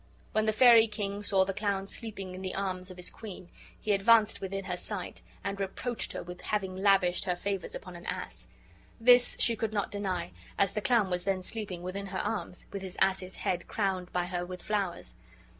When the fairy king saw the clown sleeping in the arms of his queen, he advanced within her sight, and reproached her with having lavished her favors upon an ass. This she could not deny, as the clown was then sleeping within her arms, with his ass's head crowned by her with flowers.